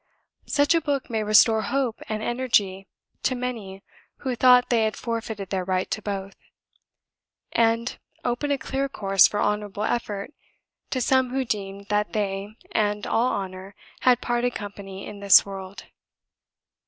Such a book may restore hope and energy to many who thought they had forfeited their right to both; and open a clear course for honourable effort to some who deemed that they and all honour had parted company in this world.